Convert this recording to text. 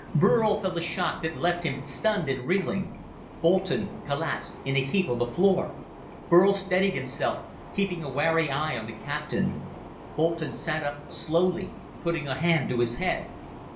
Burl felt a shock that left him stunned and reeling. Boulton collapsed in a heap on the floor. Burl steadied himself, keeping a wary eye on the captain. Boulton sat up slowly, putting a hand to his head.